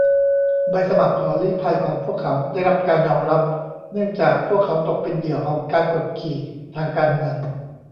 ใบสมัครขอลี้ภัยของพวกเขาได้รับการยอมรับเนื่องจากพวกเขาตกเป็นเหยื่อของการกดขี่ทางการเมือง